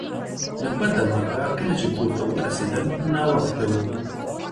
له بده مرغه کله چې کور ته ورسیدل ناوخته و